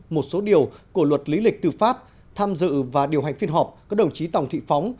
một số điều của luật lý lịch tư pháp tham dự và điều hành phiên họp có đồng chí tòng thị phóng